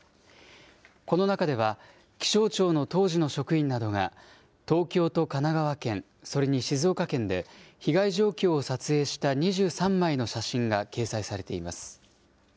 この中では、気象庁の当時の職員などが、東京と神奈川県、それに静岡県で、被害状況を撮影した２３枚の写真が掲載されています。